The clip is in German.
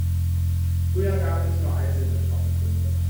Früher gab es nur einzelne Knochenfunde.